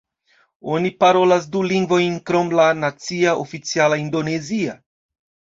Oni parolas du lingvojn krom la nacia oficiala indonezia.